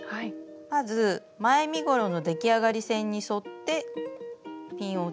まず前身ごろの出来上がり線に沿ってピンを打って印を付けます。